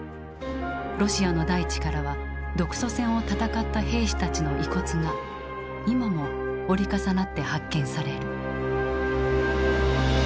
ロシアの大地からは独ソ戦を戦った兵士たちの遺骨が今も折り重なって発見される。